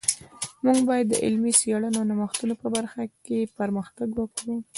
موږ باید د علمي څیړنو او نوښتونو په برخه کی پرمختګ ورکړو